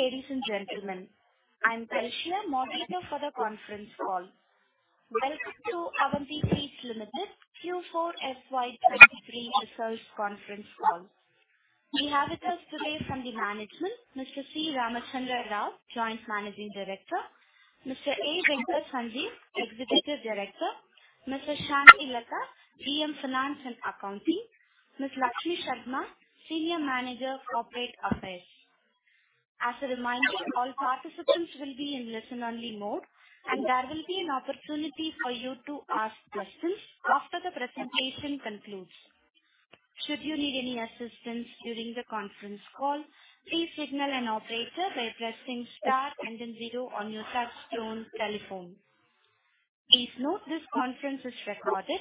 Good evening, ladies and gentlemen. I'm Talisha, moderator for the conference call. Welcome to Avanti Feeds Limited, Q4 FY 2023 results conference call. We have with us today from the management, Mr. C. Ramachandra Rao, Joint Managing Director, Mr. A. Venkata Sanjeev, Executive Director, Mrs. Shantilata, GM, Finance and Accounting, Ms. Lakshmi Sharma, Senior Manager, Corporate Affairs. As a reminder, all participants will be in listen-only mode, and there will be an opportunity for you to ask questions after the presentation concludes. Should you need any assistance during the conference call, please signal an operator by pressing star and then zero on your touchtone telephone. Please note, this conference is recorded.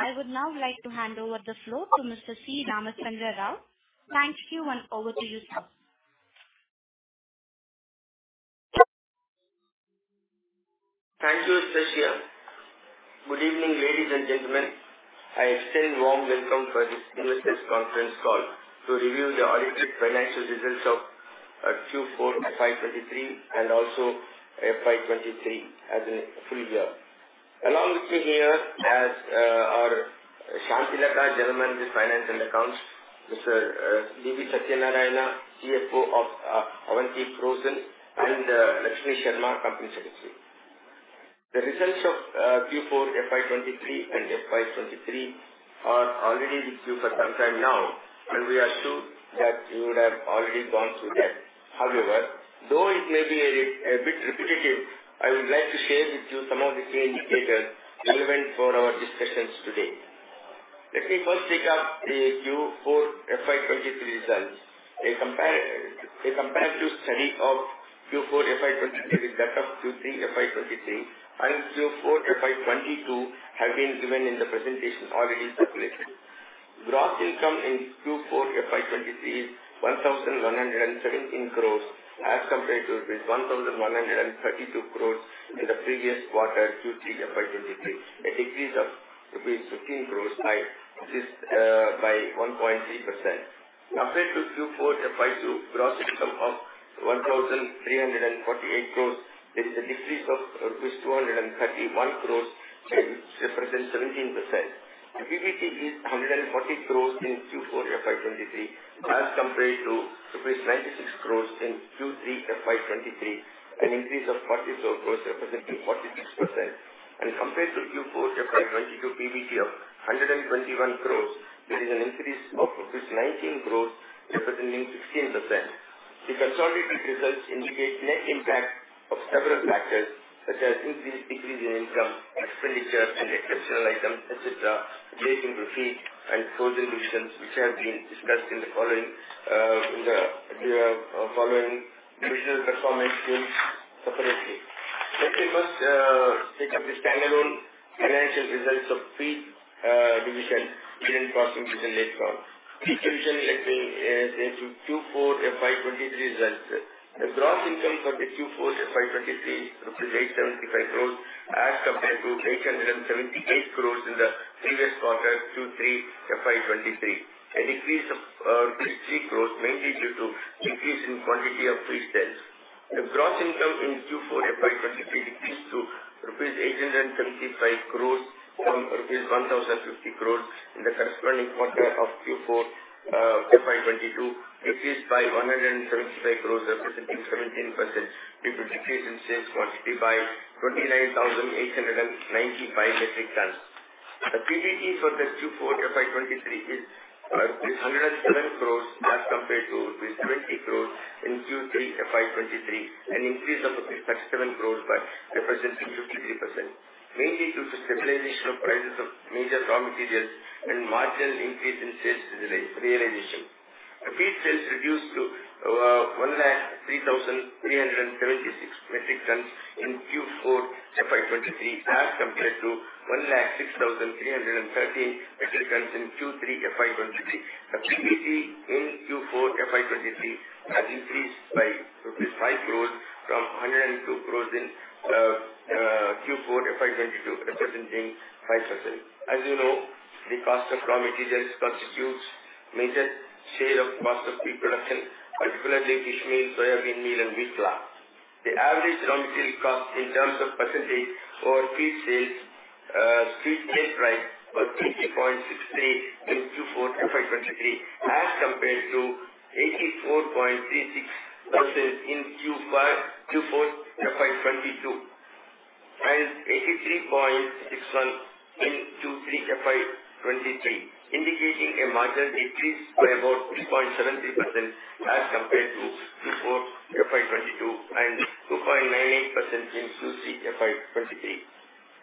I would now like to hand over the floor to Mr. C. Ramachandra Rao. Thank you, and over to you, sir. Thank you, Talisha. Good evening, ladies and gentlemen. I extend warm welcome for this investors conference call to review the audited financial results of Q4 FY 2023 and also FY 2023 as a full year. Along with me here are our Shantilata, General Manager, Finance and Accounts; Mr. V. V. Satyanarayana, CFO of Avanti Frozen, and Lakshmi Sharma, Company Secretary. The results of Q4 FY 2023 and FY 2023 are already with you for some time now, and we are sure that you would have already gone through that. However, though it may be a bit repetitive, I would like to share with you some of the key indicators relevant for our discussions today. Let me first take up the Q4 FY 2023 results. A comparative study of Q4 FY 2023 with that of Q3 FY 2023 and Q4 FY 2022 have been given in the presentation already circulated. Gross income in Q4 FY 2023, 1,117 crores, as compared to with 1,132 crores in the previous quarter, Q3 FY 2023, a decrease of rupees 15 crores by this, by 1.3%. Compared to Q4 FY 2022, gross income of 1,348 crores, there is a decrease of rupees 231 crores and represents 17%. PBT is 140 crores in Q4 FY 2023, as compared to rupees 96 crores in Q3 FY 2023, an increase of 44 crores, representing 46%. Compared to Q4 FY 2022, PBT of 121 crores, there is an increase of 19 crores, representing 16%. The consolidated results indicate net impact of several factors, such as increase-decrease in income, expenditure, and exceptional items, etc., relating to feed and frozen divisions, which have been discussed in the following visual performance separately. Let me first take up the standalone financial results of feed division, leaving frozen for later on. Feed division, let me go into Q4 FY 2023 results. The gross income for Q4 FY 2023, 875 crores, as compared to 878 crores in the previous quarter, Q3 FY 2023, a decrease of INR 3 crores, mainly due to decrease in quantity of feed sales. The gross income in Q4 FY 2023 decreased to 875 crore rupees from 1,050 crore rupees in the corresponding quarter of Q4 FY 2022, decreased by 175 crore, representing 17%, due to decrease in sales quantity by 29,895 metric tons. The PBT for the Q4 FY 2023 is 107 crore, as compared to with 20 crore in Q3 FY 2023, an increase of 37 crore by representing 53%, mainly due to stabilization of prices of major raw materials and marginal increase in sales realization. The feed sales reduced to 103,376 metric tons in Q4 FY 2023, as compared to 106,313 metric tons in Q3 FY 2023. The PBT in Q4 FY 2023 has increased by rupees 5 crore from 102 crore in Q4 FY 2022, representing 5%. As you know, the cost of raw materials constitutes major share of cost of feed production, particularly fish meal, soybean meal, and wheat bran. The average raw material cost in terms of percentage over feed sales, sales net price was 80.63% in Q4 FY 2023, as compared to 84.36% in Q4 FY 2022, and 83.61% in Q3 FY 2023, indicating a marginal decrease by about 2.70% as compared to Q4 FY 2022 and 2.98% in Q3 FY 2023.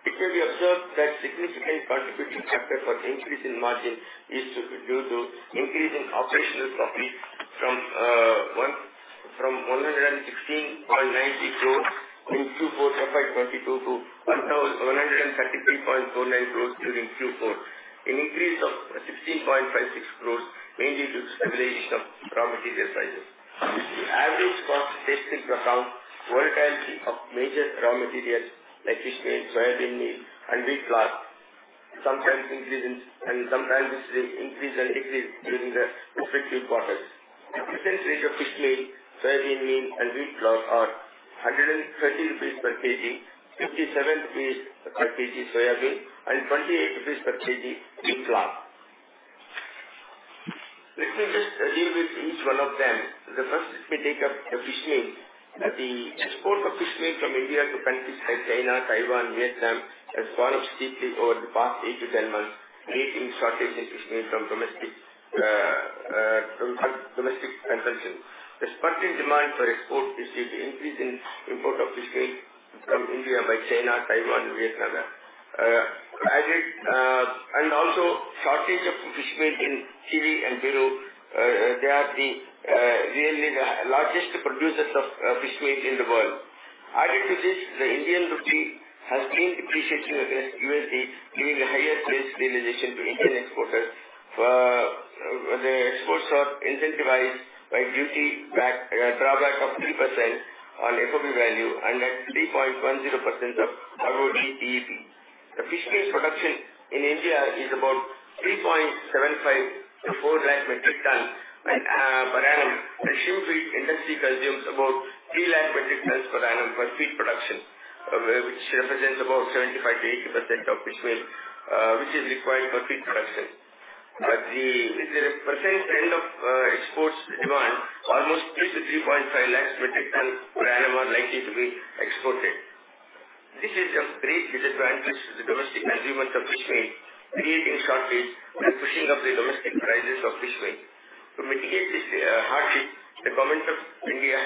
It may be observed that significant contributing factor for increase in margin is due to increase in operational profit from 116.90 crore in Q4 FY 2022 to 1,133.49 crore during Q4, an increase of 16.56 crore, mainly due to stabilization of raw material prices. The average cost takes into account volatility of major raw materials like fishmeal, soybean meal, and wheat bran. Sometimes increases and sometimes this increase and decrease during the two fiscal quarters. The present rate of fishmeal, soybean meal, and wheat gluten are 130 rupees per kg, 57 rupees per kg soybean, and 28 rupees per kg wheat gluten. Let me just deal with each one of them. The first, let me take up the fishmeal. The export of fishmeal from India to countries like China, Taiwan, Vietnam has fallen steeply over the past 8-10 months, creating shortages in fishmeal for domestic consumption. The sparkling demand for export is due to increase in import of fishmeal from India by China, Taiwan, and Vietnam, and also shortage of fishmeal in Chile and Peru. They are really the largest producers of fishmeal in the world. Added to this, the Indian rupee has been depreciating against the U.S. dollar, giving a higher price realization to Indian exporters. The exports are incentivized by duty drawback of 3% on FOB value and at 3.10% of RoDTEP. The fish meal production in India is about 3.75-4 lakh metric tons per annum. The shrimp feed industry consumes about 3 lakh metric tons per annum for feed production, which represents about 75%-80% of fish meal, which is required for feed production. But with the present trend of, exports demand, almost 3-3.5 lakh metric tons per annum are likely to be exported. This is of great concern to the domestic consumers of fish meal, creating shortage and pushing up the domestic prices of fish meal. To mitigate this, hardship, the Government of India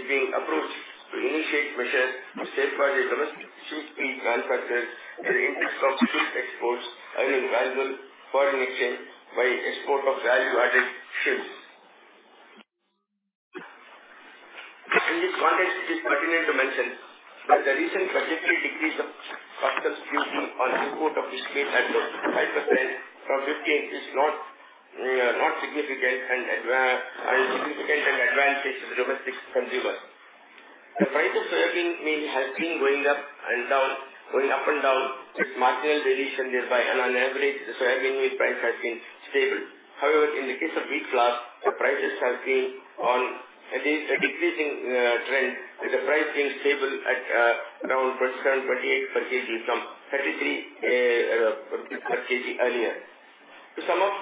is being approached to initiate measures to safeguard the domestic shrimp feed manufacturers in the interest of shrimp exports and invaluable coordination by export of value-added shrimps. In this context, it is pertinent to mention that the recent budgetary decrease of customs duty on import of fishmeal at 5% from 15% is not significant, and significant an advantage to the domestic consumer. The price of soybean meal has been going up and down, going up and down, with marginal variation thereby, and on average, the soybean meal price has been stable. However, in the case of wheat gluten, the prices have been on a decreasing trend, with the price being stable at around 27, 28 per kg, from 33 per kg earlier. To sum up,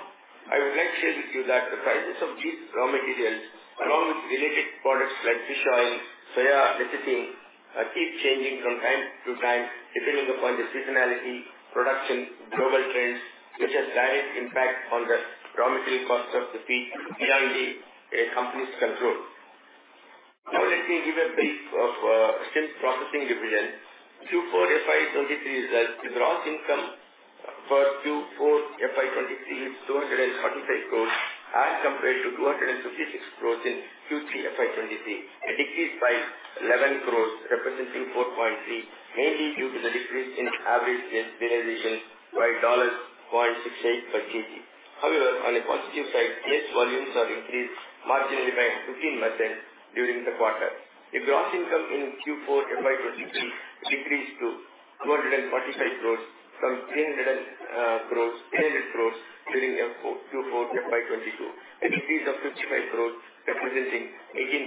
I would like to share with you that the prices of these raw materials, along with related products like fish oil, soy lecithin, keep changing from time to time, depending upon the seasonality, production, global trends, which has direct impact on the raw material cost of the feed beyond a company's control. Now, let me give a brief of shrimp processing division. Q4 FY 2023 results, the gross income for Q4 FY 2023 is 245 crores as compared to 256 crores in Q3 FY 2023. A decrease by 11 crores, representing 4.3%, mainly due to the decrease in average sales realization by $0.68 per kg. However, on a positive side, sales volumes are increased marginally by 15% during the quarter. The gross income in Q4 FY 2023 decreased to INR 245 crore from 300 crore during Q4 FY 2022. A decrease of 55 crore, representing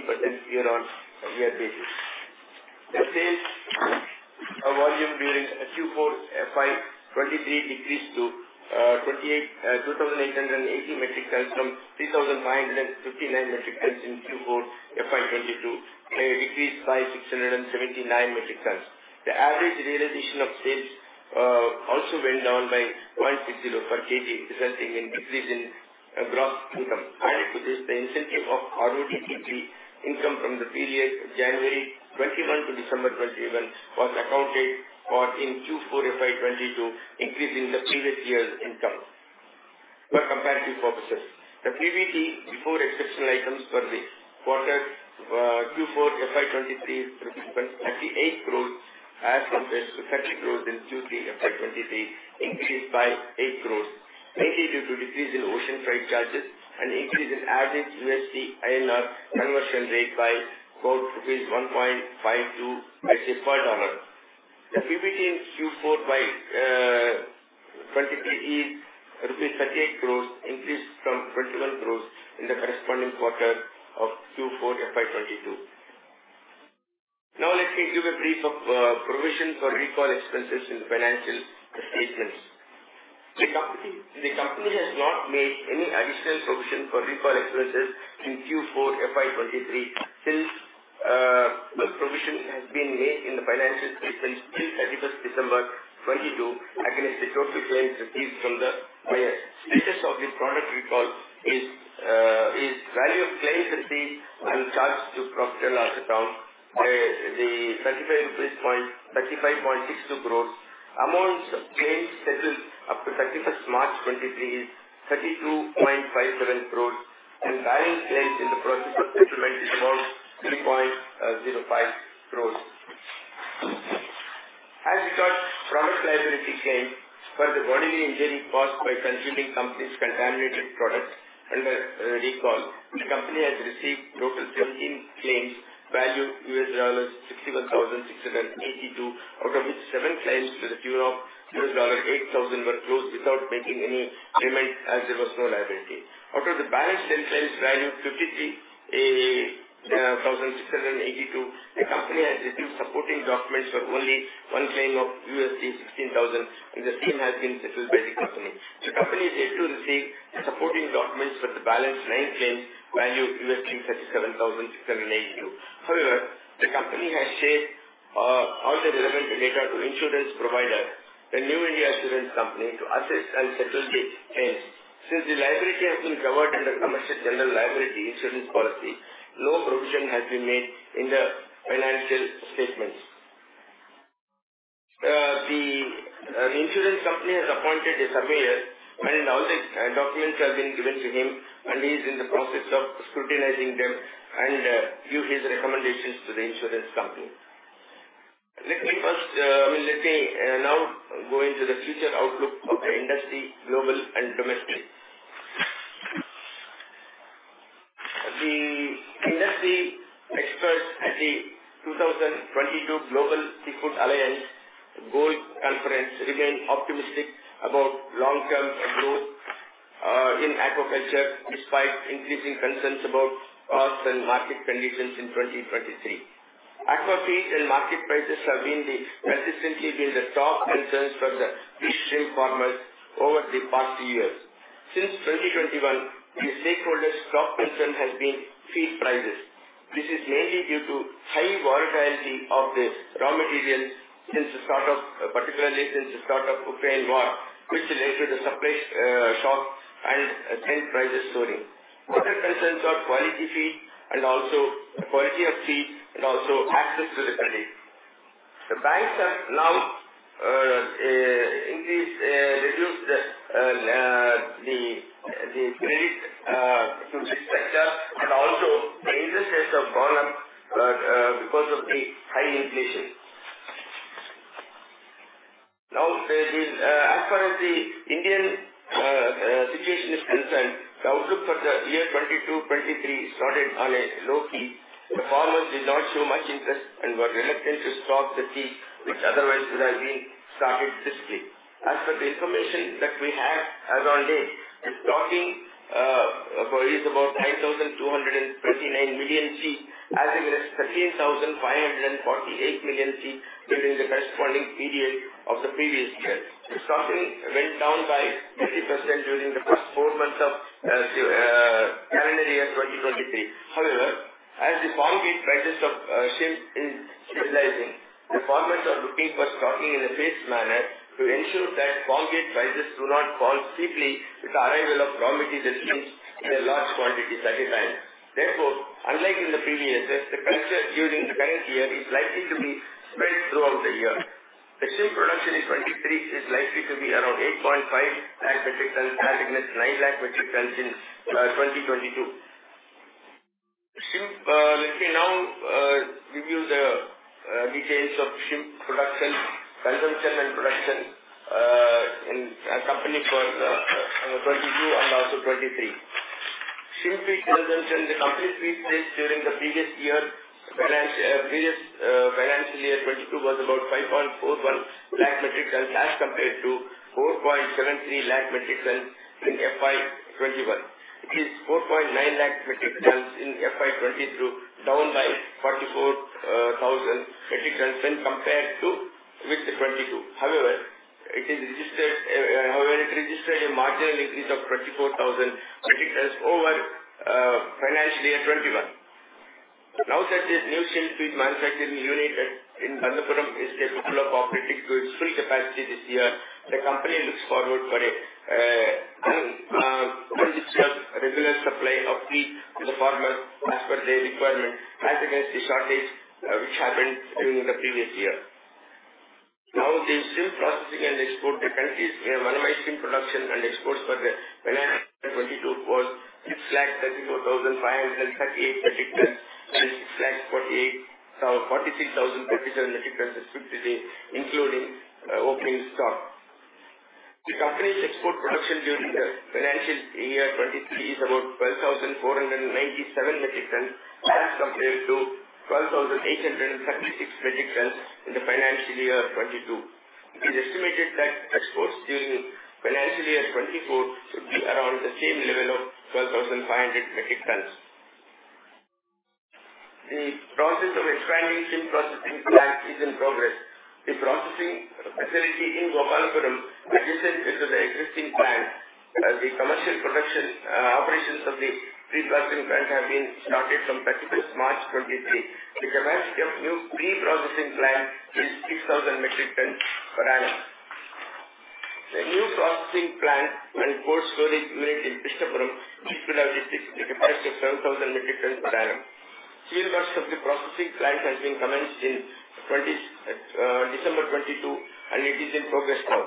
18% year-over-year basis. The sales volume during Q4 FY 2023 decreased to 2,880 metric tons from 3,959 metric tons in Q4 FY 2022, a decrease by 679 metric tons. The average realization of sales also went down by 0.60 per kg, resulting in decrease in gross income. Added to this, the incentive of RoDTEP income from the period January 2021 to December 2021 was accounted for in Q4 FY 2022, increasing the previous year's income for comparative purposes. The PBT before exceptional items for the quarter, Q4 FY 2023, represents 38 crore as compared to 30 crore in Q3 FY 2023, increased by 8 crore, mainly due to decrease in ocean freight charges and increase in average USD/INR conversion rate by about INR 1.52 appreciation per dollar. The PBT in Q4 FY 2023 is rupees 38 crore, increased from 21 crore in the corresponding quarter of Q4 FY 2022. Now, let me give a brief of provision for recall expenses in the financial statements. The company has not made any additional provision for recall expenses in Q4 FY 2023. Since no provision has been made in the financial statements till 31 December 2022, against the total claims received from the... The status of the product recall is, is value of claims received and charged to profit and loss account, the INR 35.62 crore. Amounts of claims settled up to 31 March 2023 is 32.57 crore, and live claims in the process of settlement is about 3.05 crore. As regards product liability claim for the injury caused by consuming Company's contaminated products under a recall. The company has received total 13 claims, value $61,682, out of which 7 claims of $8,000 were closed without making any payment, as there was no liability. Out of the balance 10 claims, valued $53,682, the company has received supporting documents for only 1 claim of $16,000, and the claim has been settled by the company. The company is yet to receive the supporting documents for the balance 9 claims, value $37,682. However, the company has shared all the relevant data to insurance provider, the New India Assurance Company, to assist and settle the claims. Since the liability has been covered under commercial general liability insurance policy, no provision has been made in the financial statements. The insurance company has appointed a surveyor, and all the documents have been given to him, and he's in the process of scrutinizing them and give his recommendations to the insurance company. Let me first... I mean, let me now go into the future outlook of the industry, global and domestically. The industry experts at the 2022 Global Seafood Alliance GOAL Conference remained optimistic about long-term growth in aquaculture, despite increasing concerns about costs and market conditions in 2023. Aqua feeds and market prices have consistently been the top concerns for the fish shrimp farmers over the past few years. Since 2021, the stakeholders' top concern has been feed prices. This is mainly due to high volatility of the raw materials since the start of, particularly since the start of Ukraine war, which led to the supply shock and then prices soaring. Other concerns are quality feed, and also quality of feed, and also access to the credit. The banks have now increased, reduced the credit to this sector, and also the interest rates have gone up because of the high inflation. Now, there is, as far as the Indian situation is concerned, the outlook for the year 2022, 2023 started on a low key. The farmers did not show much interest and were reluctant to stock the feed, which otherwise would have been started since then. As per the information that we have as on date, the stocking for is about 9,229 million seed, as against 13,548 million seed during the corresponding period of the previous year. The stocking went down by 30% during the first four months of calendar year 2023. However, as the farm-gate prices of shrimp is stabilizing, the farmers are looking for stocking in a phased manner to ensure that farm-gate prices do not fall steeply with the arrival of raw material shrimps in a large quantity at a time. Therefore, unlike in the previous years, the culture during the current year is likely to be spread throughout the year. The shrimp production in 2023 is likely to be around 8.5 lakh MT as against 9 lakh MT in 2022. Shrimp, let me now give you the details of shrimp production, consumption and production in our company for 2022 and also 2023. Shrimp feed consumption, the company feed sales during the previous year, financial year 2022 was about 5.41 lakh metric tons, as compared to 4.73 lakh metric tons in FY 2021. It is 4.9 lakh metric tons in FY 2022, down by 44,000 metric tons when compared to with 2022. However, it registered a marginal increase of 24,000 metric tons over financial year 2021. Now that the new shrimp feed manufacturing unit at, in Bandapuram is fully operating to its full capacity this year, the company looks forward for a almost itself, a regular supply of feed to the farmers as per their requirement, as against the shortage which happened during the previous year. Now, the shrimp processing and export to countries. We have minimized shrimp production and exports for the financial 2022 was 634,538 metric tons and 643,037 metric tons, including opening stock. The company's export production during the financial year 2023 is about 12,497 metric tons, as compared to 12,836 metric tons in the financial year 2022. It is estimated that exports during financial year 2024 should be around the same level of 12,500 metric tons. The process of expanding shrimp processing plant is in progress. The processing facility in Gopalapuram, adjacent to the existing plant, the commercial production, operations of the feed processing plant have been started from 31 March 2023. The capacity of new feed processing plant is 6,000 metric tons per annum. The new processing plant and cold storage unit in Gopalapuram is to have the capacity of 7,000 metric tons per annum. Civil works of the processing plant has been commenced in December 2022, and it is in progress now.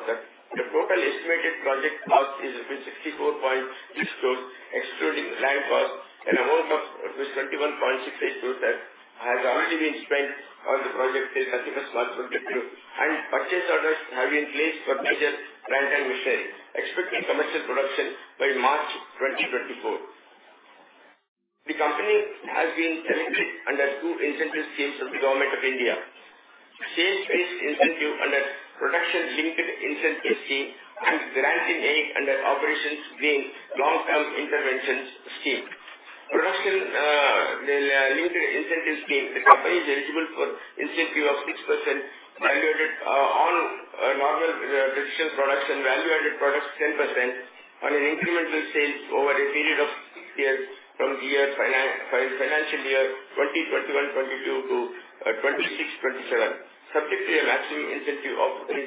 The total estimated cost is rupees 64.6 crores, excluding the land cost, and amount of rupees 21.68 crores that has already been spent on the project is nothing but civil works and purchase orders have been placed for major plant and machinery, expecting commercial production by March 2024. The company has been selected under two incentive schemes of the Government of India. Sales-based incentive under Production-Linked Incentive Scheme and grant-in-aid under Operation Greens Long-Term Interventions Scheme. Production Linked Incentive Scheme, the company is eligible for incentive of 6% value-added on normal traditional products, and value-added products, 10% on an incremental sales over a period of 6 years from the year financial year 2021/2022 to 202627, subject to a maximum incentive of 79.44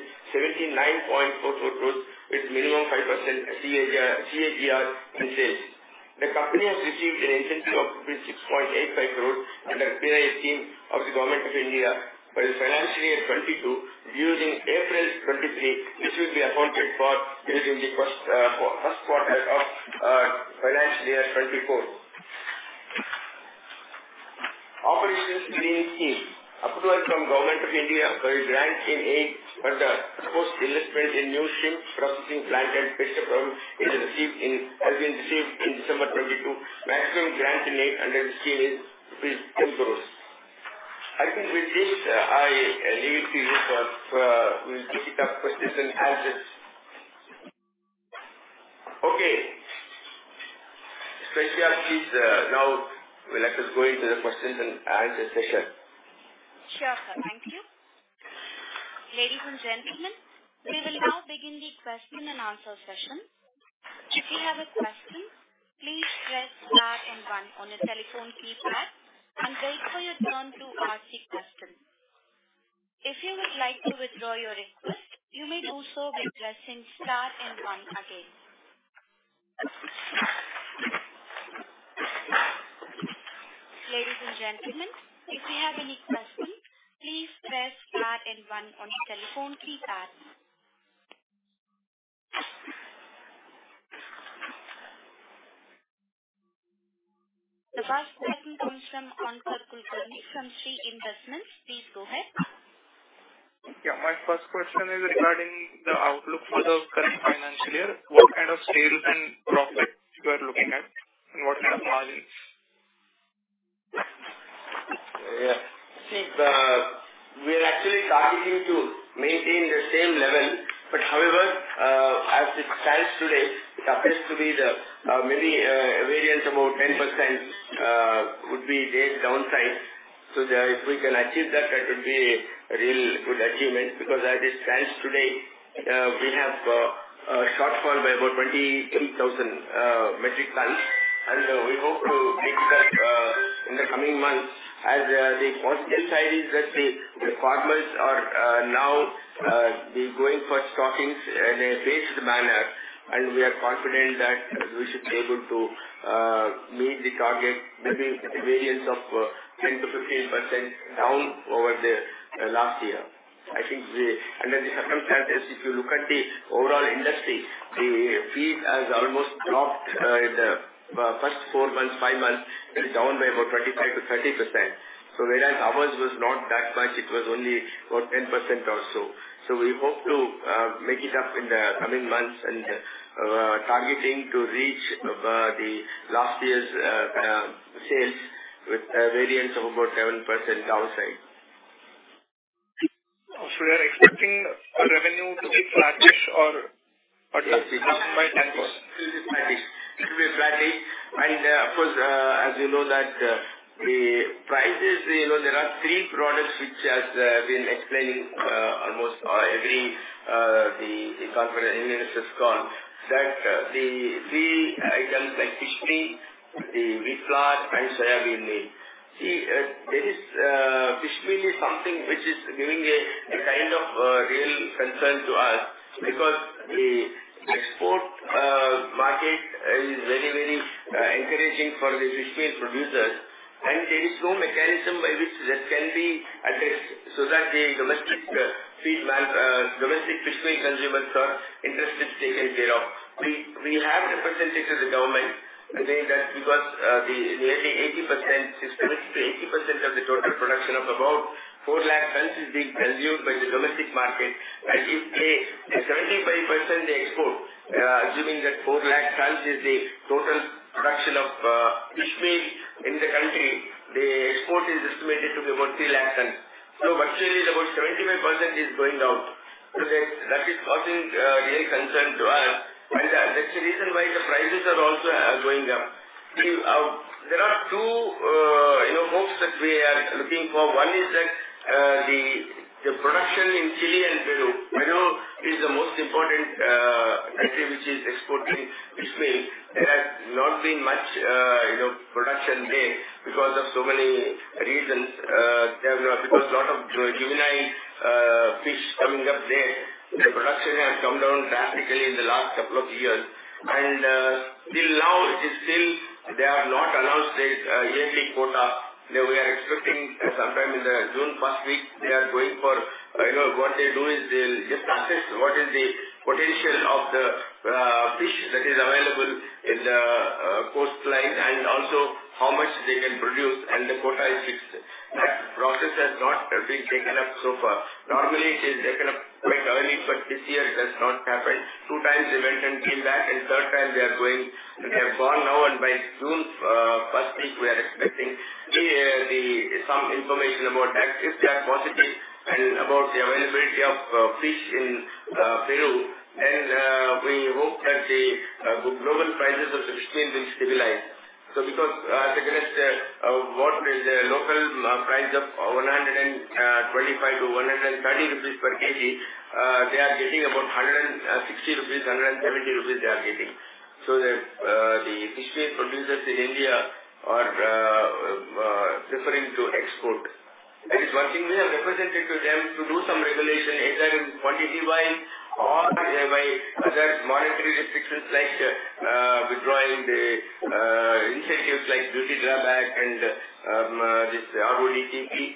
crore, with minimum 5% CAGR in sales. The company has received an incentive of INR 6.85 crore under PLI scheme of the Government of India for the financial year 2022 during April 2023, which will be accounted for during the first quarter of financial year 2024. Operation Greens Scheme, approval from Government of India for a grant in aid under post-investment in new shrimp processing plant at Visakhapatnam. It has been received in December 2022. Maximum grant in aid under the scheme is INR 10 crore. I think with this, I leave it to you for we'll take up questions and answers. Okay. Shreya, please, now let us go into the questions and answer session. Sure, sir. Thank you. Ladies and gentlemen, we will now begin the question and answer session. If you have a question, please press star and one on your telephone keypad and wait for your turn to ask the question. If you would like to withdraw your request, you may do so by pressing star and one again. Ladies and gentlemen, if you have any questions, please press star and one on your telephone keypad. The first question comes from Sanyam Kulkarni from Shree Investments. Please go ahead. Yeah, my first question is regarding the outlook for the current financial year. What kind of sales and profit you are looking at, and what kind of margins? Yeah. See, we are actually targeting to maintain the same level, but however, as it stands today, it appears to be the, maybe, variance about 10% would be there downside. So there, if we can achieve that, that would be a real good achievement because as it stands today, we have a shortfall by about 28,000 metric tons, and we hope to make that in the coming months. As the positive side is that the farmers are now, they're going for stockings in a phased manner, and we are confident that we should be able to meet the target, maybe a variance of 10%-15% down over the last year. I think the... And then the second fact is, if you look at the overall industry, the feed has almost dropped in the first four months, five months, it is down by about 25%-30%. So whereas ours was not that much, it was only about 10% or so. So we hope to make it up in the coming months and targeting to reach the last year's sales with a variance of about 7% downside. You are expecting revenue to be flattish or what do you think? It will be flattish. It will be flattish. And, of course, as you know that, the prices, you know, there are three products which has been explained, almost every, the conference has gone, that, the three items like fishmeal, the wheat flour, and soya bean meal. See, there is fishmeal is something which is giving a kind of real concern to us because the export market is very, very encouraging for the fishmeal producers, and there is no mechanism by which that can be addressed so that the domestic feed domestic fishmeal consumers are interests taken care of. We have represented to the government that because the nearly 80%, 70%-80% of the total production of about 400,000 tons is being consumed by the domestic market, and if they 75% they export, assuming that 400,000 tons is the total production of fishmeal in the country, the export is estimated to be about 300,000 tons. So virtually is about 75% is going out. So that is causing real concern to us, and that's the reason why the prices are also going up. We... There are two you know hopes that we are looking for. One is that the production in Chile and Peru. Peru is the most important country which is exporting fishmeal. There has not been much you know production there because of so many reasons. There are because lot of juvenile fish coming up there, the production has come down drastically in the last couple of years. Till now, it is still they have not announced the yearly quota. They were expecting sometime in the June first week, they are going for. You know, what they do is they'll just assess what is the potential of the fish that is available in the coastline and also how much they can produce, and the quota is fixed. That process has not been taken up so far. Normally, it is taken up quite early, but this year it has not happened. Two times they went and came back, and third time they are going. They have gone now, and by June first week, we are expecting the some information about that, if they are positive, and about the availability of fish in Peru. And we hope that the global prices of the fish meal will stabilize. So because second is what is the local price of 125-130 rupees per kg, they are getting about 160 rupees, 170 rupees they are getting. So that the fish meal producers in India are preferring to export. But we have represented to them to do some regulation, either in quantity-wise or by other monetary restrictions, like withdrawing the incentives like duty drawback and this RoDTEP.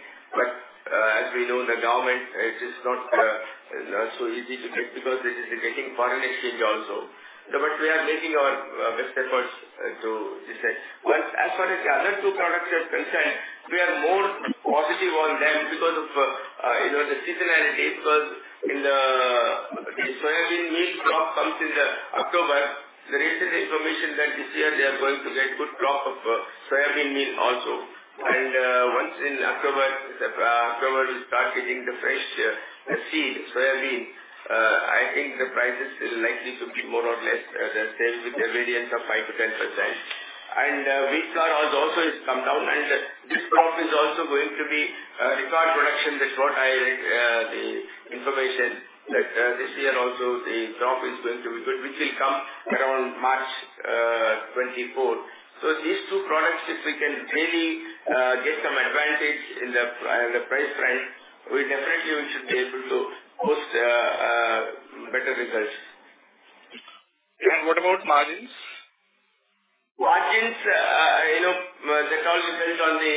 As we know, the government, it is not so easy to take because this is affecting foreign exchange also. We are making our best efforts to decide. Well, as far as the other two products are concerned, we are more positive on them because of, you know, the seasonality. Because the soybean meal crop comes in October. There is information that this year they are going to get good crop of soybean meal also. Once in October, we'll start getting the fresh seed soybean. I think the prices are likely to be more or less the same, with a variance of 5%-10%. Wheat crop also has come down, and this crop is also going to be a record production. That's what I read, the information, that, this year also, the crop is going to be good, which will come around March 2024. So these two products, if we can really, get some advantage in the, the price front, we definitely should be able to post, better results. What about margins? Margins, you know, that all depends on the,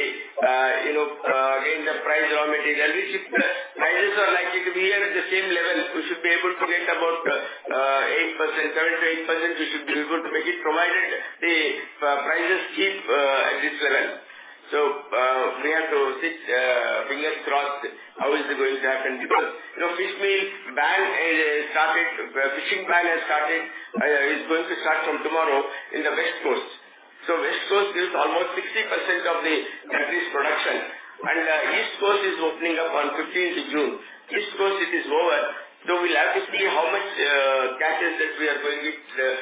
you know, in the price raw material, which if the prices are likely to be at the same level, we should be able to get about, 8%, 7%-8%. We should be able to make it, provided the prices keep, at this level. So, we have to sit, fingers crossed, how is it going to happen? Because, you know, fishmeal ban is started, fishing ban has started, is going to start from tomorrow in the West Coast. So West Coast gives almost 60% of the country's production, and, East Coast is opening up on fifteenth of June. East Coast, it is over. So we'll have to see how much catches that we are going to get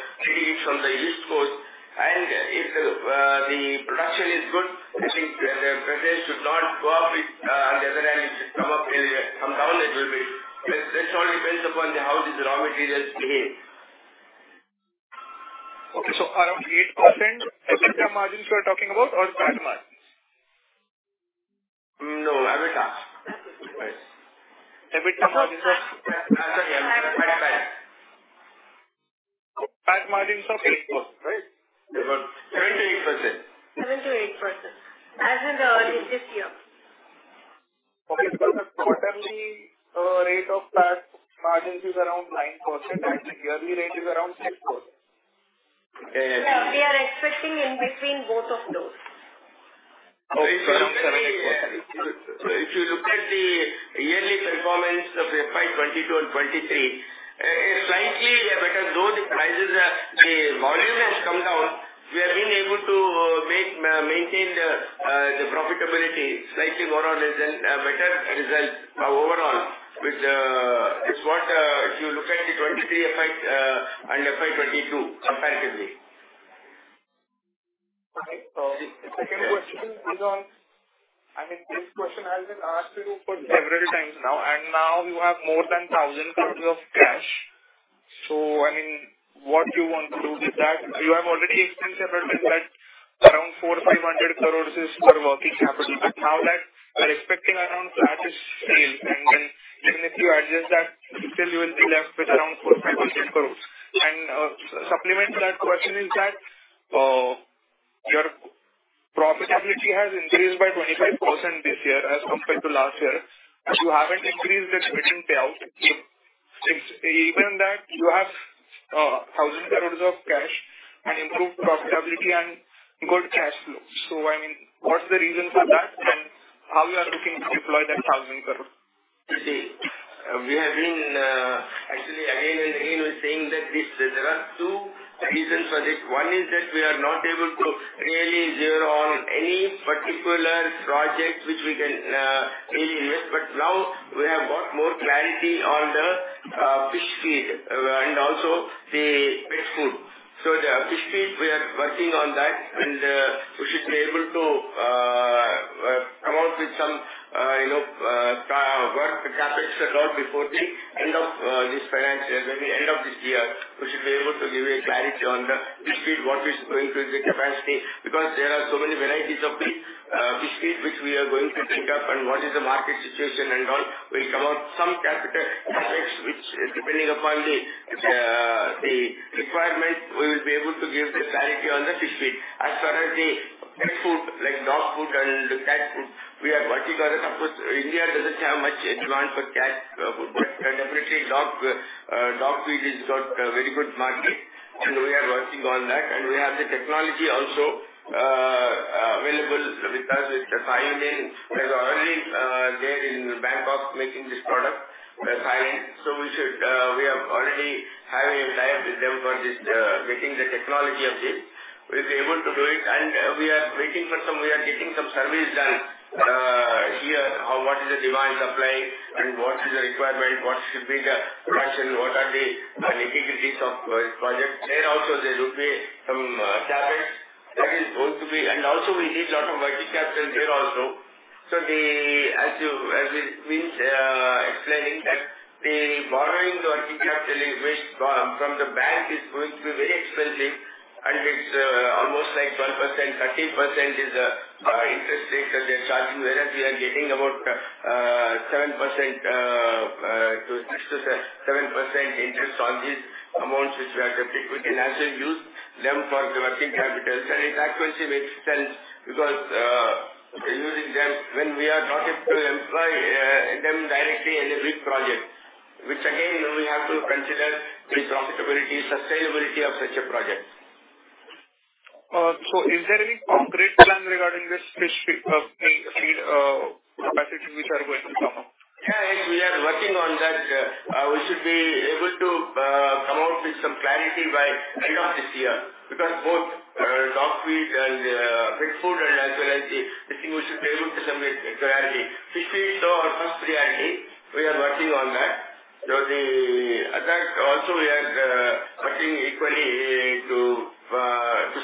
from the East Coast, and if the production is good, I think the prices should not go up, on the other hand, it should come up a little bit. Somehow it will be. That all depends upon the how this raw materials behave. Okay, so around 8% EBITDA margins you are talking about or PAT margins? No, EBITDA. EBITDA margins are? PAT margins. PAT margins, okay. Right. 7%-8%. 7%-8%, as in earlier this year. Okay, so the quarterly rate of PAT margins is around 9%, and the yearly rate is around 6%. Yes. We are expecting in between both of those. If you look at the yearly performance of the FY 2022 and 2023, slightly better, though the prices are—the volume has come down, we have been able to make, maintain the, the profitability slightly more or less than better result overall, with, with what, if you look at the 2023 FY, and FY 2022 comparatively. Okay. So the second question is on... I mean, this question has been asked to you for several times now, and now you have more than 1,000 crore of cash. So, I mean, what you want to do with that? You have already explained several times that around 400-500 crore is for working capital, but now that we are expecting around flattish sales, and then even if you adjust that, still you will be left with around 400-500 crore. And, supplement to that question is that, your profitability has increased by 25% this year as compared to last year, and you haven't increased the dividend payout. Since even that, you have, 1,000 crore of cash and improved profitability and good cash flow. So, I mean, what's the reason for that, and how you are looking to deploy that 1,000 crore? See, we have been actually, again and again, we're saying that this, there are two reasons for this. One is that we are not able to really zero on any particular project which we can really invest. But now we have got more clarity on the fish feed and also the pet food. So the fish feed, we are working on that, and we should be able to come out with some, you know, working capital allocation before the end of this financial year. By the end of this year, we should be able to give a clarity on the fish feed, what is going to be the capacity, because there are so many varieties of the fish feed which we are going to take up, and what is the market situation and all. We'll come out some capital effects, which depending upon the requirement, we will be able to give the clarity on the fish feed. As far as the pet food, like dog food and cat food. We are working on it. Of course, India doesn't have much demand for cat food, but definitely dog food has got a very good market, and we are working on that. And we have the technology also available with us. It's a client in Bangkok. We have already there in Bangkok making this product, the client. So we have already a tie-up with them for this, getting the technology of this. We'll be able to do it, and we are waiting for some. We are getting some surveys done here on what is the demand, supply, and what is the requirement, what should be the production, what are the nitty-gritties of this project. There also there will be some challenges that is going to be. And also we need lot of working capital there also. So, as you, as we explaining that the borrowing working capital, which from the bank is going to be very expensive, and it's almost like 12%, 13% is the interest rate that they're charging, whereas we are getting about 7% to 6%-7% interest on these amounts, which we have the liquid, and actually use them for the working capital. It actually makes sense because using them when we are not able to employ them directly in a big project, which again, we have to consider the profitability, sustainability of such a project. So, is there any concrete plan regarding this fish feed capacity which are going to come up? Yeah, yes, we are working on that. We should be able to come out with some clarity by end of this year, because both dog food and pet food and as well as the fish feed, we should be able to submit clearly. Fish feed is our first priority. We are working on that. So the other also we are working equally to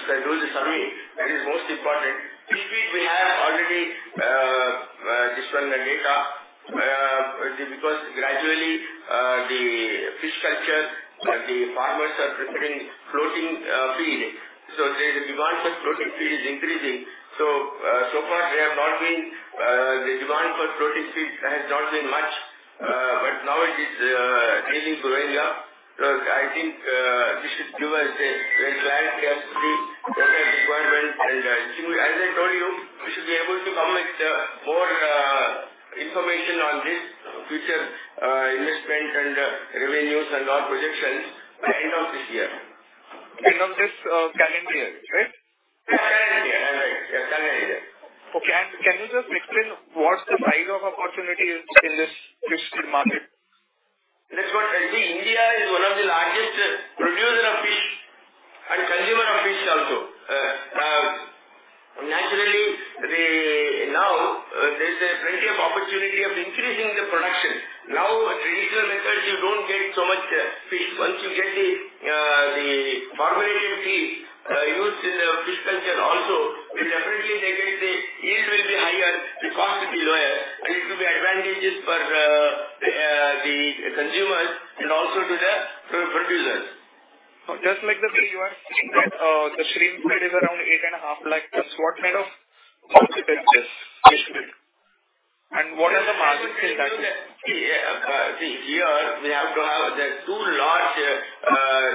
schedule the survey. That is most important. Fish feed we have already this one, the data, because gradually the fish culture, the farmers are preferring floating feed. So the demand for floating feed is increasing. So, so far we have not been, the demand for floating feed has not been much, but now it is getting to going up. I think this should give us great clarity as to the requirement, and as I told you, we should be able to come with more information on this future investment and revenues and our projections by end of this year. End of this calendar year, right? Yeah, right. Yeah, calendar year. Can you just explain what's the size of opportunity in this fish feed market? That's what I see. India is one of the largest producer of fish and consumer of fish also. Naturally, the... Now, there's a plenty of opportunity of increasing the production. Now, traditional methods, you don't get so much fish. Once you get the, the formulated feed, used in the fish culture also, will definitely make it the yield will be higher, the cost will be lower, and it will be advantageous for, the consumers and also to the producers. Just make the clear one. The shrimp feed is around 8.5 lakh. What kind of concentrate this fish feed? And what are the markets in that? See, here we have to have the two large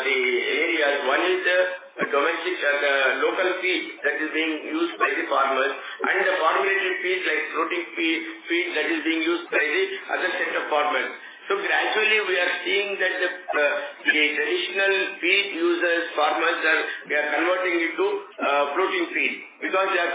areas. One is the domestic, the local feed that is being used by the farmers, and the formulated feed, like floating feed, that is being used by the other set of farmers. So gradually, we are seeing that the traditional feed users, farmers are they are converting into floating feed because they are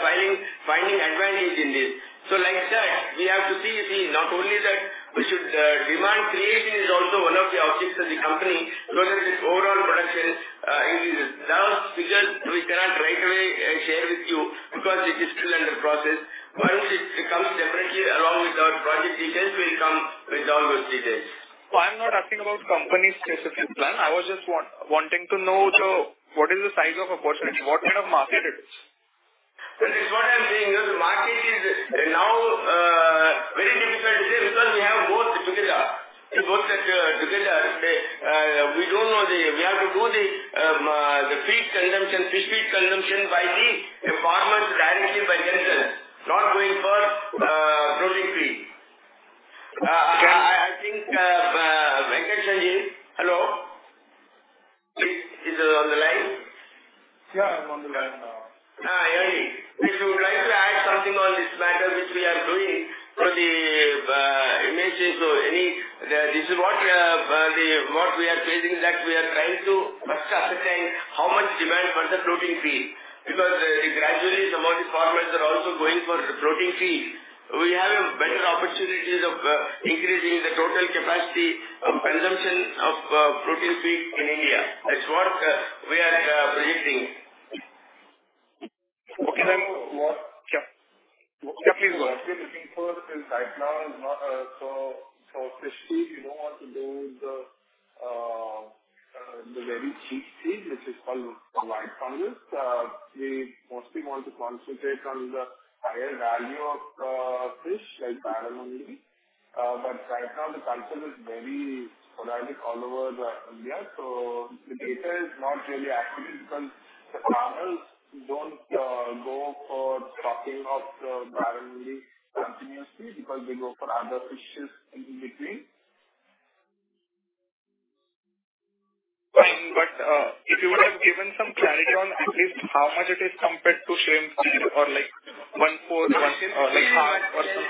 finding advantage in this. So like that, we have to see, not only that, we should, demand creation is also one of the objectives of the company, because this overall production, it is large figures we cannot right away share with you because it is still under process. Once it becomes separately along with our project details will come with all those details. I'm not asking about company's specific plan. I was just wanting to know what is the size of opportunity? What kind of market it is? That is what I'm saying. The market is now very difficult to say because we have both together. Both together, we don't know the— We have to do the feed consumption, fish feed consumption by the farmers directly by themselves, not going for floating feed. I think Venkata Sanjeev is... Hello? Is he on the line? Yeah, I'm on the line now. Yeah. If you would like to add something on this matter, which we are doing. This is what we are facing, that we are trying to first ascertain how much demand for the floating feed, because gradually some of the farmers are also going for floating feed. We have a better opportunities of increasing the total capacity of consumption of floating feed in India. That's what we are predicting. Okay. What- Yeah. What we are actually looking for is right now, for fish feed, we don't want to do the very cheap feed, which is called the white pangasius. We mostly want to concentrate on the higher value of fish, like barramundi. But right now the culture is very sporadic all over the India, so the data is not really accurate because the farmers don't go for stocking of the barramundi continuously because they go for other fishes in between. But, if you would have given some clarity on at least how much it is compared to shrimp feed, or like one-fourth or like half? Shrimp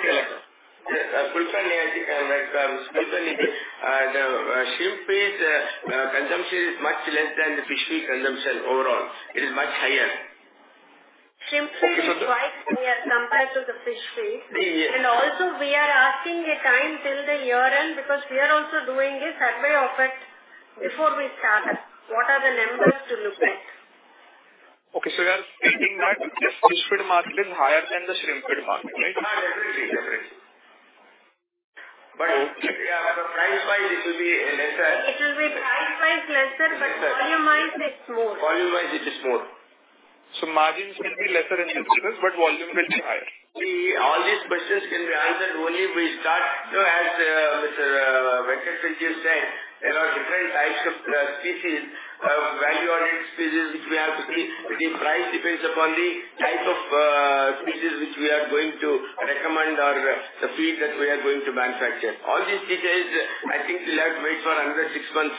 feed consumption is much less than the fish feed consumption overall. It is much higher. Shrimp feed is quite higher compared to the fish feed. Yeah. Also, we are asking a time till the year-end, because we are also doing a survey of it before we start. What are the numbers to look at? Okay, so you are stating that the fish feed market is higher than the shrimp feed market, right? Ah, definitely, definitely. Okay. But price-wise, it will be lesser. It will be price-wise lesser, but volume-wise, it's more. Volume-wise, it is more. Margin will be lesser in shrimp feed, but volume will be high. All these questions can be answered only if we start. So as Mr. Venkatesan just said, there are different types of species, value-added species, which we have to see. The price depends upon the type of species which we are going to recommend or the feed that we are going to manufacture. All these details, I think we'll have to wait for another six months,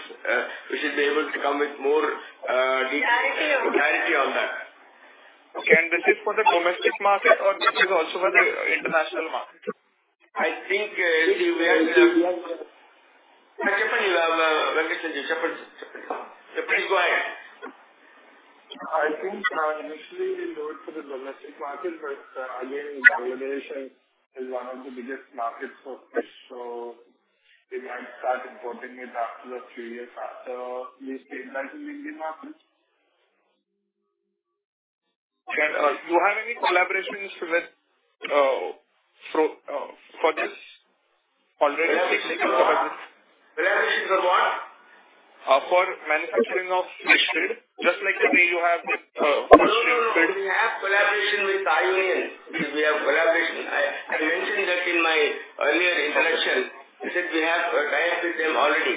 which is able to come with more. Clarity. clarity on that. Okay, and this is for the domestic market or this is also for the international market? I think, if we were... Venkata Sanjeev, you have, Venkata Sanjeev, go ahead. I think, initially we look for the domestic market, but again, Bangladesh is one of the biggest markets for fish, so we might start importing it after the three years after we stabilize in Indian market. You have any collaborations with... for this already? Collaboration for what? for manufacturing of fish feed. Just like the way you have, No, no, no. We have collaboration with Thai Union. We have collaboration. I, I mentioned that in my earlier introduction. I said we have a tie-up with them already.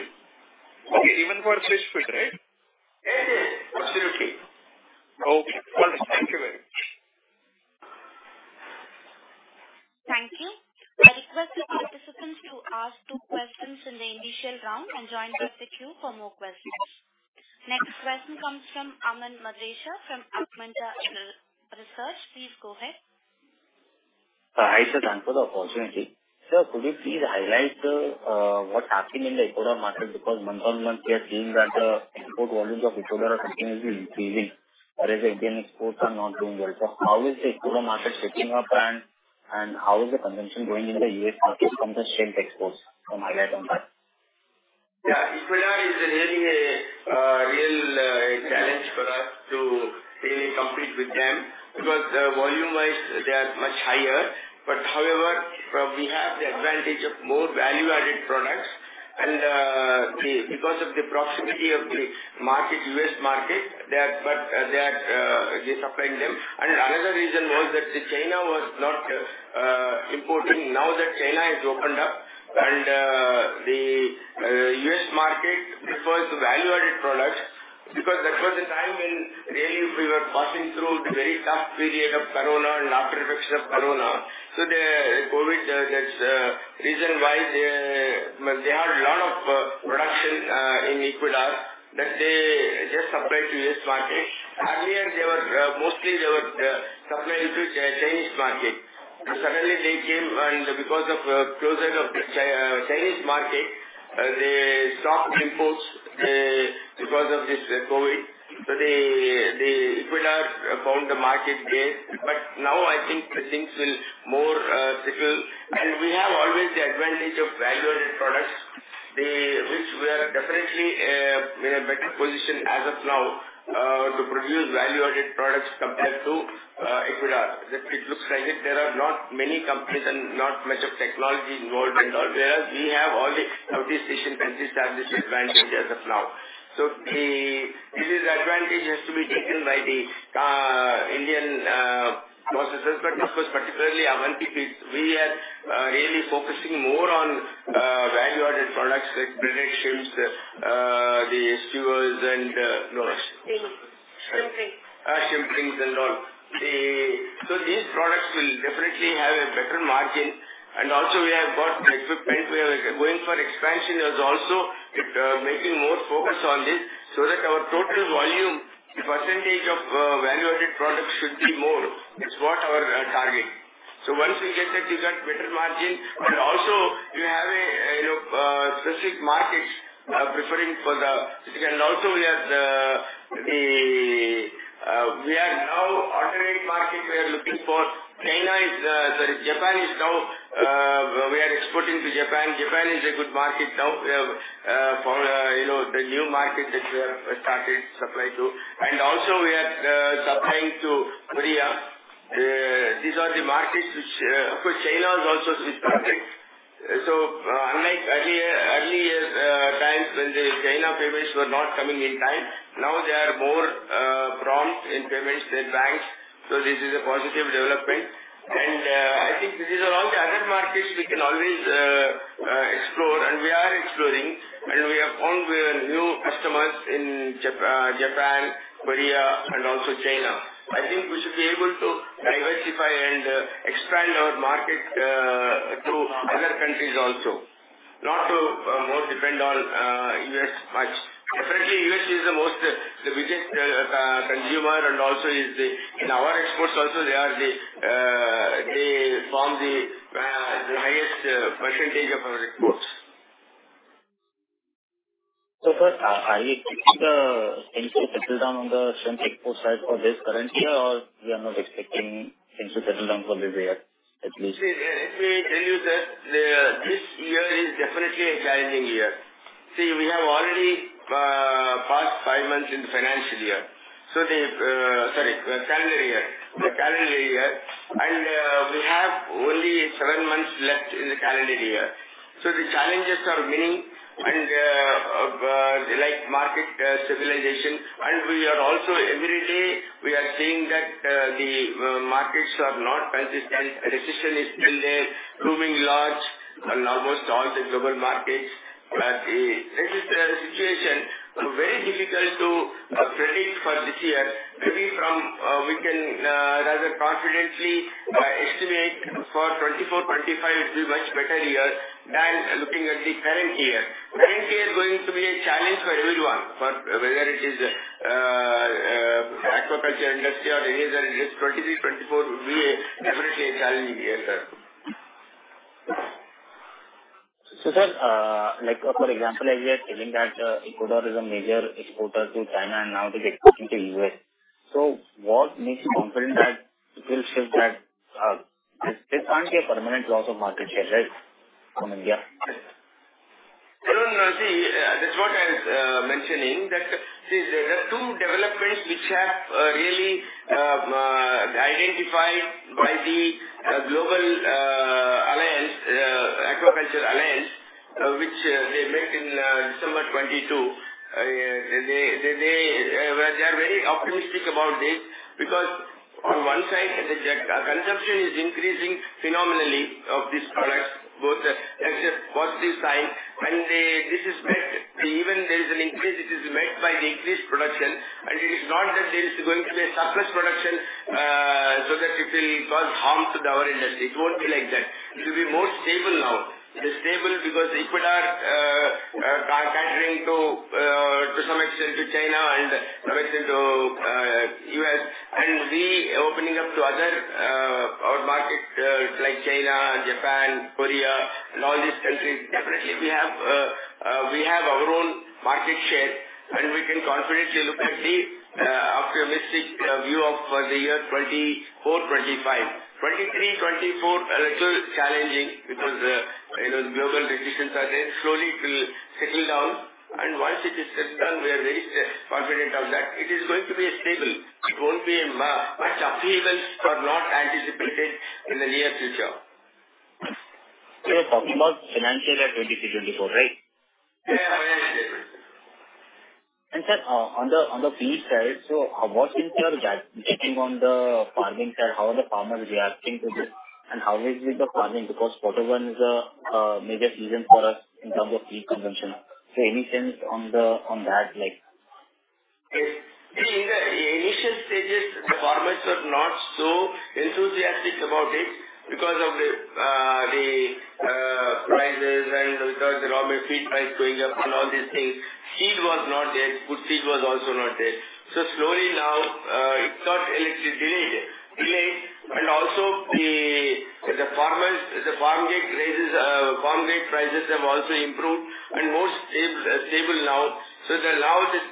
Okay. Even for fish feed, right? Yes, yes, absolutely. Okay, thank you very much. Thank you. I request the participants to ask two questions in the initial round and join back the queue for more questions. Next question comes from Aman Madrecha, from Augmenta Research. Please go ahead. Hi, sir, thank you for the opportunity. Sir, could you please highlight what's happening in the Ecuador market? Because month-on-month, we are seeing that the import volumes of Ecuador are continuously increasing, whereas Indian exports are not doing well. So how is the Ecuador market shaping up, and, and how is the consumption going in the U.S. market from the shrimp exports from India on that? Yeah, Ecuador is really a real challenge for us to really compete with them because, volume-wise, they are much higher. But however, we have the advantage of more value-added products and, because of the proximity of the market, U.S. market, they are, but they are, they supply them. And another reason was that China was not importing. Now that China is opened up and, the U.S. market prefers value-added products, because that was the time when really we were passing through the very tough period of Corona and after-effects of Corona. So the COVID, that's the reason why, they had a lot of production in Ecuador, that they just supplied to U.S. market. Earlier, they were, mostly they were supplying to Chinese market. Suddenly they came and because of closure of the Chinese market, they stopped imports because of this COVID. So the Ecuador found the market base. But now I think the things will more settle. And we have always the advantage of value-added products, the... Which we are definitely in a better position as of now to produce value-added products compared to Ecuador. It looks like that there are not many companies and not much of technology involved in all. Whereas we have all the sophisticated and established advantage as of now. So this advantage has to be taken by the Indian processors, but of course, particularly Avanti Feeds. We are really focusing more on value-added products like breaded shrimps, the skewers and, you know- Shrimp rings. Shrimp rings and all. So these products will definitely have a better margin. And also we have got the equipment. We are going for expansion as also it, making more focus on this, so that our total volume, the percentage of, value-added products should be more. It's what our, target. So once we get that, we get better margin, but also we have a, you know, specific markets, preferring for the. And also we are, the, we are now alternate market we are looking for. China is, sorry, Japan is now, we are exporting to Japan. Japan is a good market now. We have, for, you know, the new market that we have started supply to, and also we are, supplying to Korea. These are the markets which... Of course, China was also this market. So unlike earlier, early years, times when the China payments were not coming in time, now they are more prompt in payments, the banks. So this is a positive development. And I think these are all the other markets we can always explore, and we are exploring, and we have found new customers in Japan, Korea and also China. I think we should be able to diversify and expand our market to other countries also, not to more depend on U.S. much. Definitely, U.S. is the most, the biggest consumer, and also is the in our exports also, they are the, they form the, the highest percentage of our exports. So first, are you expecting the things to settle down on the shrimp export side for this current year, or we are not expecting things to settle down probably where, at least? Let me tell you that the this year is definitely a challenging year. See, we have already passed five months in the financial year, so the sorry, the calendar year, the calendar year, and we have only seven months left in the calendar year. So the challenges are many, and like market stabilization, and we are also every day, we are seeing that the markets are not consistent. Recession is still there, looming large on almost all the global markets, where the resultant situation very difficult to predict for this year. Maybe from we can rather confidently estimate for 2024, 2025, it will be much better year than looking at the current year. Current year is going to be a challenge for everyone, for whether it is aquaculture industry or any other industry. 2023, 2024 will be definitely a challenging year, sir. So, sir, like, for example, I was telling that Ecuador is a major exporter to China, and now they're exporting to U.S. So what makes you confident that it will shift that, this can't be a permanent loss of market share, right, from India? No, no, see, that's what I was mentioning, that there are two developments which have really identified by the Global Seafood Alliance, which they met in December 2022. They are very optimistic about this because on one side, the consumption is increasing phenomenally of this product, both at what they sign, and they—this is met. Even there is an increase, it is met by the increased production, and it is not that there is going to be a surplus production, so that it will cause harm to our industry. It won't be like that. It will be more stable now. It is stable because Ecuador, catering to, to some extent to China and some extent to, U.S., and we opening up to other, our markets, like China, Japan, Korea, and all these countries. Definitely, we have, we have our own market share, and we can confidently look at the, optimistic, view of for the year 2024, 2025. 2023, 2024, a little challenging because, you know, global recessions are there. Slowly it will settle down, and once it is settled down, we are very confident of that. It is going to be stable. It won't be a much upheavals are not anticipated in the near future. We are talking about financial year 2023-2024, right? Yeah. And, sir, on the feed side, so what is your taking on the farming side? How are the farmers reacting to this, and how is the farming? Because waterborne is a major reason for us in terms of feed consumption. So any sense on that, like? See, in the initial stages, the farmers were not so enthusiastic about it because of the prices and because the raw material feed price going up and all these things. Seed was not there, food seed was also not there. So slowly now, it got a little delayed, and also the farmers, the farm-gate prices have also improved and more stable now. So that now that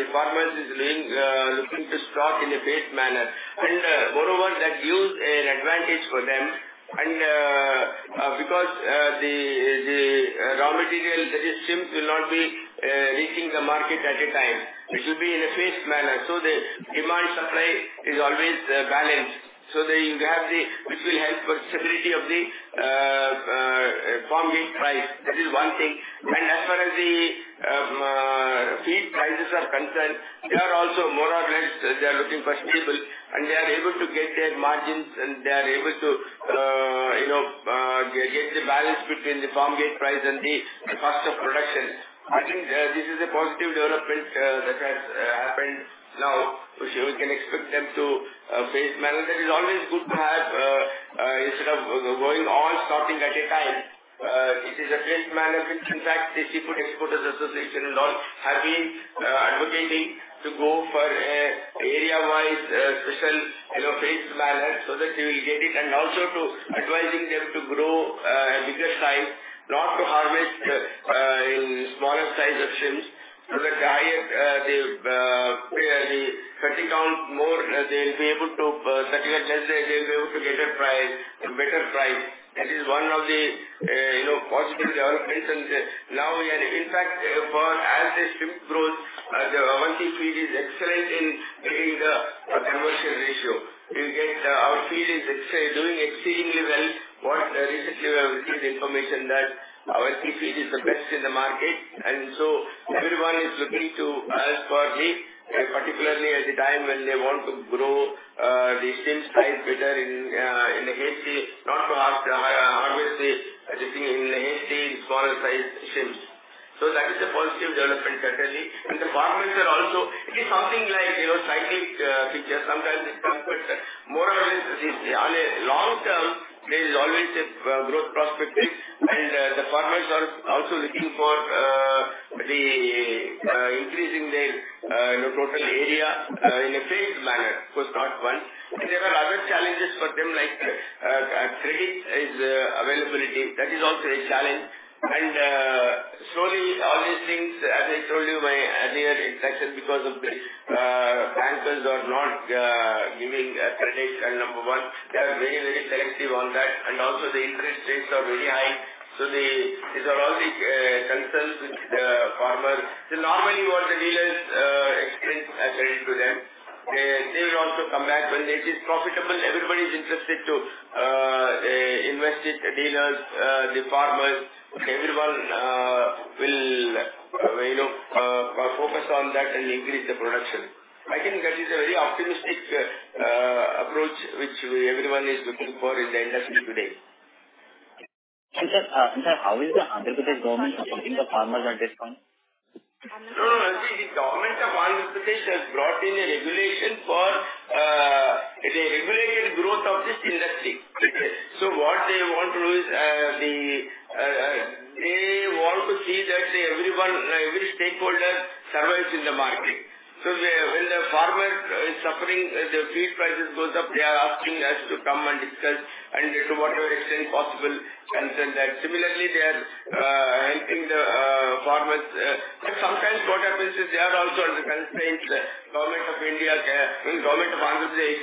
the farmers is doing looking to stock in a paced manner. And moreover, that gives an advantage for them, and because the raw material, that is, shrimp, will not be hitting the market at a time. It will be in a phased manner. So the demand-supply is always balanced. So they, we have the... Which will help for stability of the farm-gate price. That is one thing. And as far as the feed prices are concerned, they are also more or less, they are looking quite stable, and they are able to get their margins, and they are able to, you know, get the balance between the farm-gate price and the cost of production. I think this is a positive development that has happened now. So we can expect them to pace manage. That is always good to have, instead of going all starting at a time, it is a phased manner, which in fact, the Seafood Exporters Association is all have been advocating to go for a area-wise, special, you know, phased manner, so that they will get it, and also to advising them to grow a bigger size, not to harvest in smaller size of shrimps, so that the higher, the, the cutting down more, they'll be able to cutting it less, they'll be able to get a price, a better price. That is one of the, you know, positive developments. And now we are, in fact, for as the shrimp grows, the multi feed is excellent in, in the conversion ratio. You get, our feed is doing exceedingly well. Recently we have received information that our multi feed is the best in the market, and so everyone is looking to us for it, and particularly at the time when they want to grow the shrimp size better in. So that is a positive development, certainly. And the farmers are also, it is something like, you know, cyclical feature. Sometimes it comes, but more or less, on a long-term, there is always a growth prospects, and the farmers are also looking for the increasing their, you know, total area in a phased manner. Of course, not one. And there are other challenges for them, like credit availability. That is also a challenge. Slowly, all these things, as I told you, in my earlier interaction, because of the bankers are not giving credit as number one. They are very, very selective on that, and also the interest rates are very high. So these are all the concerns with the farmer. So normally what the dealers extend credit to them, they, they will also come back. When it is profitable, everybody is interested to invest it, the dealers, the farmers, everyone, will, you know, focus on that and increase the production. I think that is a very optimistic approach which everyone is looking for in the industry today. Sir, how is the Andhra Pradesh government supporting the farmers at this point? No, no, the Government of Andhra Pradesh has brought in a regulation for the regulated growth of this industry. So what they want to do is the they want to see that everyone, every stakeholder survives in the market. So when the farmer is suffering, the feed prices goes up, they are asking us to come and discuss and to whatever extent possible, concern that. Similarly, they are helping the farmers. But sometimes what happens is they are also under constraints. The Government of India, Government of Andhra Pradesh,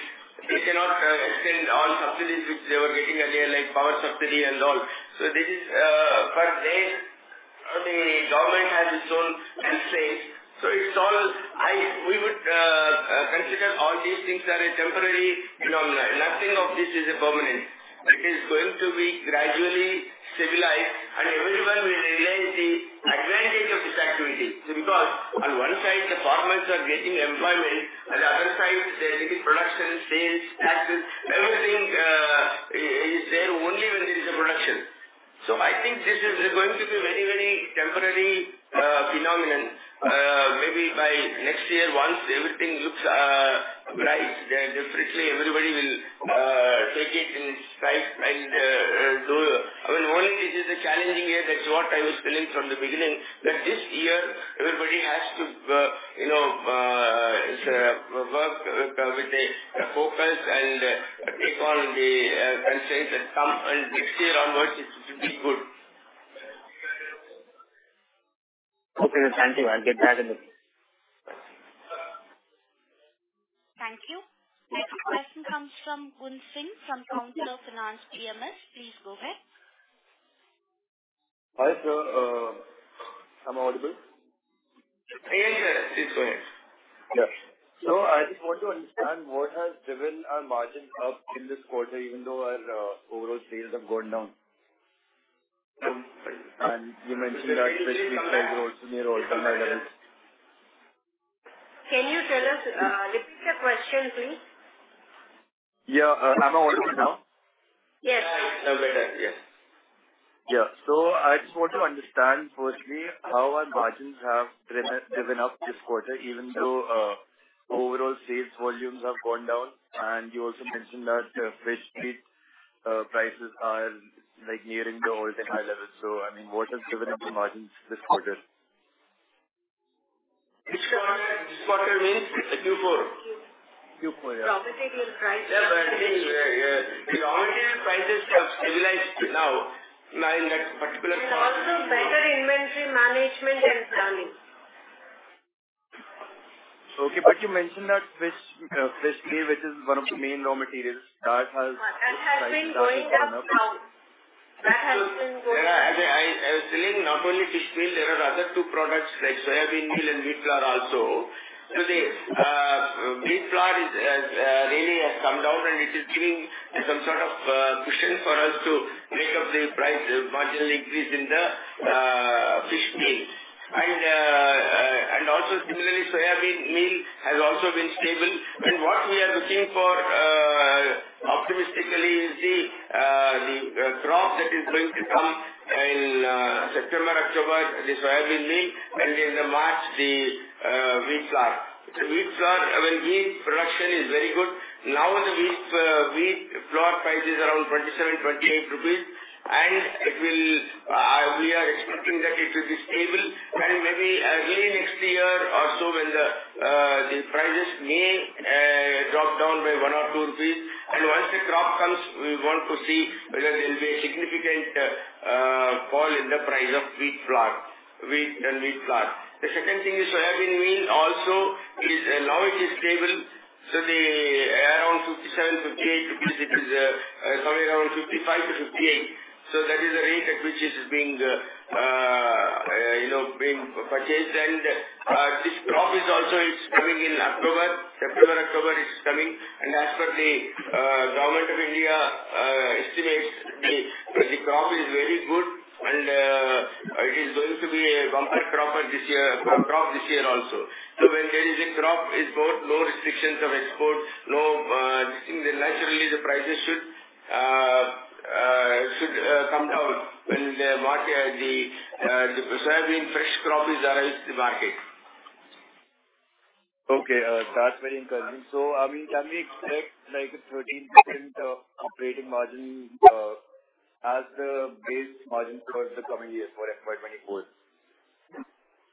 they cannot extend all subsidies which they were getting earlier, like power subsidy and all. So this is but they, the government has its own constraints. So it's all I—we would consider all these things are a temporary phenomenon. Nothing of this is a permanent. It is going to be gradually civilized, and everyone will realize the advantage of this activity, because on one side, the farmers are getting employment, on the other side, the production, sales, taxes, everything, is there only when there is a production. So I think this is going to be very, very temporary phenomenon. Maybe by next year, once everything looks right, then definitely everybody will take it in stride and I mean, only this is a challenging year. That's what I was telling from the beginning, that this year everybody has to, you know, work with a focus and take all the constraints that come, and next year onwards, it should be good. Okay, sir, thank you. I'll get back with you. Thank you. Next question comes from [Wunsheng], from [Counter Finance EMS]. Please go ahead. Hi, sir. Am I audible? Yes, sir. Please go ahead. Yes. So I just want to understand what has driven our margin up in this quarter, even though our overall sales have gone down. And you mentioned that fresh feed prices are also near all-time high levels. Can you tell us, repeat the question, please? Yeah. Am I audible now? Yes. Now better. Yes. Yeah. So I just want to understand, firstly, how our margins have driven up this quarter, even though overall sales volumes have gone down. And you also mentioned that fresh feed prices are, like, nearing the all-time high levels. So, I mean, what has driven up the margins this quarter? This quarter, this quarter means the Q4? Q4, yeah. Raw material prices. Yeah, but the raw material prices have stabilized now, now in that particular quarter- Also better inventory management and planning. Okay, but you mentioned that fishmeal, which is one of the main raw materials, that has- That has been going up now. That has been going up. I, I was telling not only fishmeal, there are other two products, like soybean meal and wheat flour also. So the wheat flour is really has come down, and it is giving some sort of cushion for us to make up the price marginal increase in the fishmeal. And also similarly, soybean meal has also been stable. And what we are looking for optimistically is the crop that is going to come in September, October, the soybean meal, and in the March, the wheat flour. The wheat flour, I mean, wheat production is very good. Now, the wheat flour price is around 27-28 rupees, and it will... We are expecting that it will be stable and maybe early next year or so when the prices may drop down by 1 or 2. Once the crop comes, we want to see whether there will be a significant fall in the price of wheat flour, wheat, the wheat flour. The second thing is soybean meal also is now it is stable, so around 57-58 rupees. It is coming around 55-58. So that is the rate at which it is being, you know, being purchased. This crop is also coming in October. September, October, it's coming. As per the Government of India estimates, the crop is very good, and it is going to be a bumper cropper this year, crop this year also. So when there is a crop with both no restrictions of export, no, nothing, then naturally the prices should come down when the market, the soybean fresh crop is arrives the market. Okay, that's very encouraging. So, I mean, can we expect, like, a 13% operating margin as the base margin towards the coming years for FY 2024?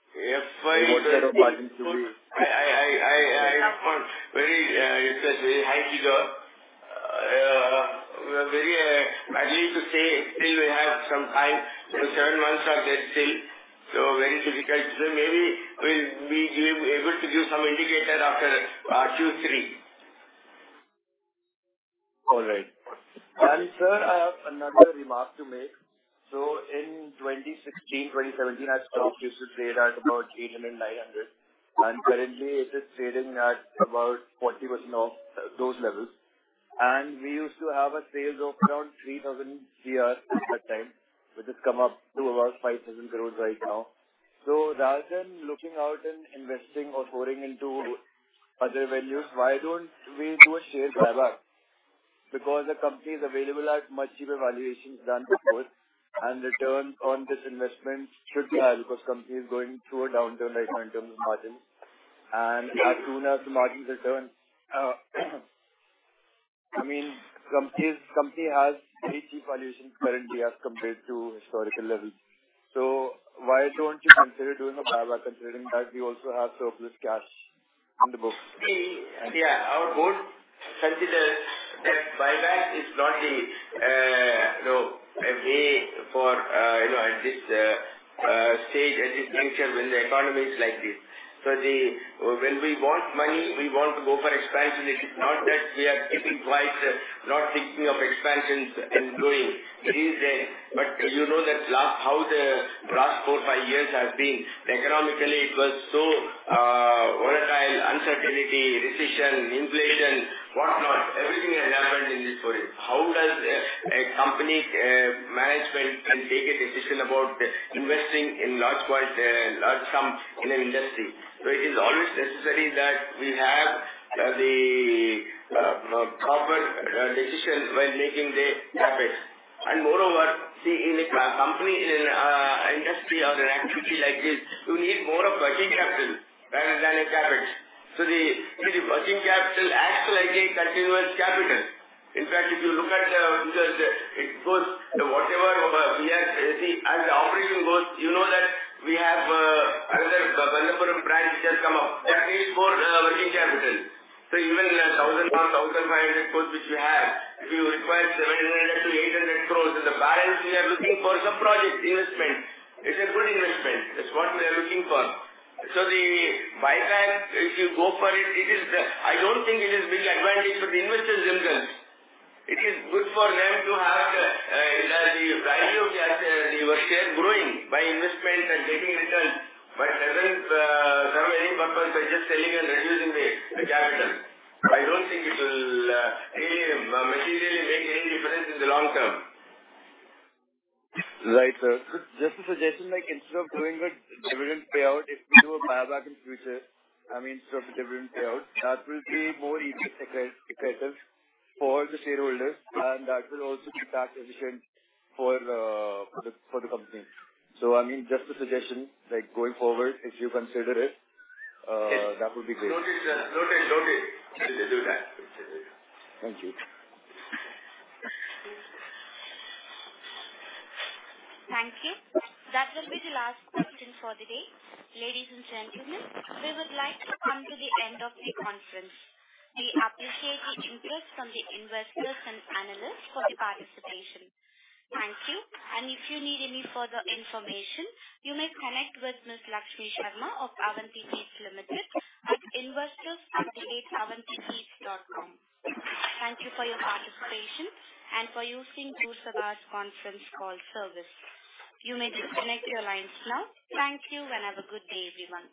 FY- Margin to be. It's a very high figure. We are very early to say still we have some time, seven months are there still, so very difficult. So maybe we'll be able to give some indicator after Q3. All right. And, sir, I have another remark to make. So in 2016, 2017, our stock used to trade at about 800, 900, and currently it is trading at about 40% of those levels. And we used to have sales of around 3,000 crore at that time, which has come up to about 5,000 crore right now. So rather than looking out and investing or pouring into other venues, why don't we do a share buyback? Because the company is available at much cheaper valuations than before, and return on this investment should be high because company is going through a downturn right now in terms of margins. And as soon as the margins return, I mean, company, company has very cheap valuations currently as compared to historical levels. Why don't you consider doing a buyback, considering that we also have surplus cash on the books? Yeah, our board considers that buyback is not the, you know, a way for, you know, at this stage, at this nature, when the economy is like this. So when we want money, we want to go for expansion. It is not that we are keeping quiet, not thinking of expansions and growing. But you know that last, how the last 4, 5 years have been. Economically, it was so volatile, uncertainty, recession, inflation, whatnot. Everything has happened in this period. How does a company management can take a decision about investing in large quant, large sum in an industry? So it is always necessary that we have the proper decisions when making the capital. Moreover, see, in a company, in a industry or an activity like this, you need more of working capital rather than a capital. So the, the working capital acts like a continuous capital. In fact, if you look at, the, it goes, whatever we are facing as operating costs, you know that we have, another number of brands which has come up. That needs more, working capital. So even the 1,000 or 1,500 crore, which we have, if you require 700-800 crore, then the balance we are looking for some project investment. It's a good investment. That's what we are looking for. So the buyback, if you go for it, it is the... I don't think it is big advantage for the investors themselves. It is good for them to have the value of your share growing by investment and getting returns, but doesn't serve any purpose by just selling and reducing the capital. I don't think it'll really materially make any difference in the long term. Right, sir. Just a suggestion, like, instead of doing the dividend payout, if you do a buyback in future, I mean, instead of dividend payout, that will be more effective, effective for the shareholders, and that will also be tax efficient for, for the, for the company. So, I mean, just a suggestion, like, going forward, if you consider it, that would be great. Noted, sir. Noted, noted. We will do that. Thank you. Thank you. That will be the last question for the day. Ladies and gentlemen, we would like to come to the end of the conference. We appreciate the interest from the investors and analysts for the participation. Thank you, and if you need any further information, you may connect with Ms. Lakshmi Sharma of Avanti Feeds Limited at investors@avantifeeds.com. Thank you for your participation and for using Chorus Call Conference Call Service. You may disconnect your lines now. Thank you, and have a good day, everyone.